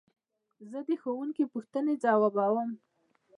زه د ښوونکي پوښتنې ځوابوم.